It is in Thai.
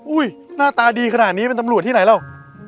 อุ้ยหน้าตาดีขนาดนี้เป็นตำรวจที่ไหนแล้ว